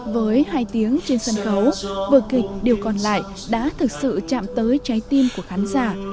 với hai tiếng trên sân khấu vở kịch điều còn lại đã thực sự chạm tới trái tim của khán giả